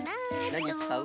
なにつかう？